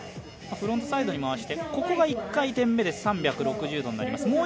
フロントサイドに回してここが１回転目、３６０度になります。